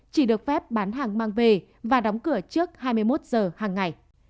chỉ được phép bán hàng mang về và đóng cửa trước hai mươi một giờ hàng ngày